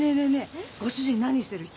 えご主人何してる人？